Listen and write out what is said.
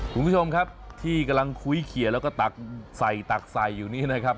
คุณผู้ชมครับที่กำลังคุยเขียนแล้วก็ตักใส่ตักใส่อยู่นี้นะครับ